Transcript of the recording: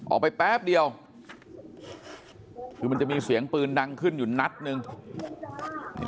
แป๊บเดียวคือมันจะมีเสียงปืนดังขึ้นอยู่นัดหนึ่ง